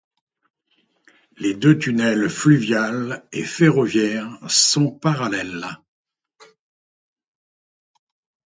Les deux tunnels, fluvial et ferroviaire, sont parallèles.